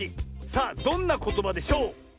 さあどんなことばでしょう？